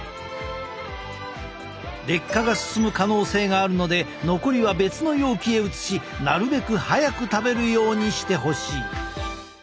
劣化が進む可能性があるので残りは別の容器へ移しなるべく早く食べるようにしてほしい。